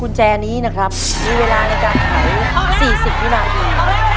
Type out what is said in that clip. กุญแจนี้นะครับมีเวลาในการไข๔๐วินาที